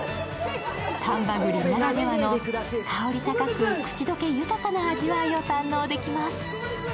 丹波栗ならではの香り高く口溶け豊かな味わいを堪能できます。